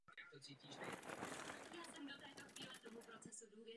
Turnaje se účastnila v podstatě kompletní tehdejší světová šachová špička.